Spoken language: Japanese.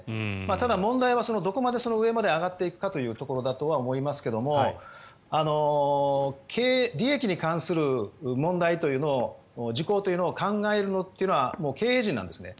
ただ、問題はどこまで上まで上がっていくかというところだと思いますが利益に関する問題というのを事項というのを考えるのは経営陣なんですね。